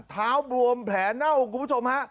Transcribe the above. เท้าบวมแผลเน่าคุณผู้ชมฮะ